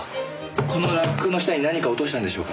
このラックの下に何か落としたんでしょうか？